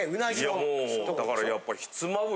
いやもうだからやっぱ。